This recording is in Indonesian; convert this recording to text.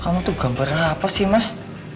kamu tuh gambarnya apa sih mas